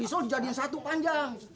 risol dijadiin satu panjang